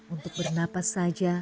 untuk bernapas saja